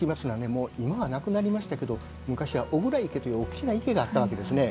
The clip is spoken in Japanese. もう今はなくなりましたけど昔は巨椋池という大きな池があったわけですね。